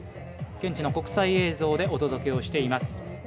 現地の国際映像でお届けをしています。